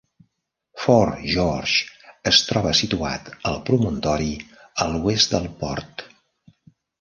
Fort George es troba situat al promontori a l'oest del port.